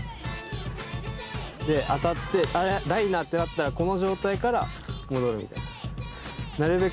当たってライナーってなったらこの状態から戻るみたいな。